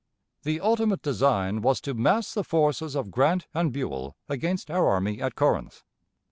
The ultimate design was to mass the forces of Grant and Buell against our army at Corinth.